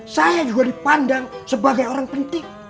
saya juga dipandang sebagai orang penting